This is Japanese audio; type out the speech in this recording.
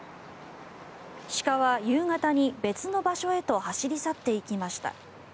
鹿は夕方に別の場所へと走り去っていきました。